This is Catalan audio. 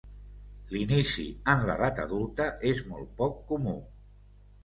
L'inici en l'edat adulta és molt poc comú.